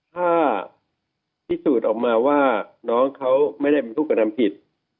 ถ้าพิสูจน์ออกมาว่าน้องเขาไม่ได้เป็นผู้กระทำผิด